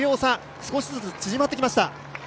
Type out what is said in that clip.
少しずつ縮まってきました。